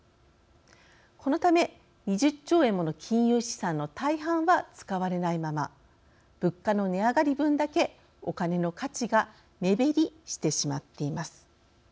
このため２０兆円もの金融資産の大半は使われないまま物価の値上がり分だけお金の価値が目減りしてしまっています。